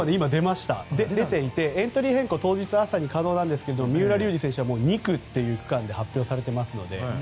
出ていてエントリー変更は当日、朝に可能なんですけど三浦龍司選手は２区という区間で発表されていますので。